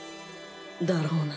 だろうな